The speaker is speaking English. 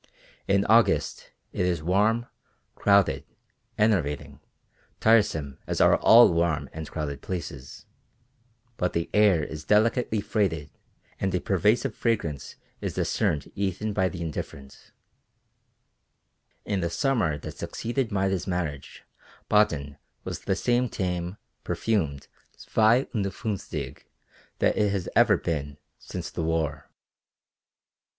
In August it is warm, crowded, enervating, tiresome as are all warm and crowded places, but the air is delicately freighted and a pervasive fragrance is discerned even by the indifferent. In the summer that succeeded Maida's marriage Baden was the same tame, perfumed zwei und funfzig that it has ever been since the war.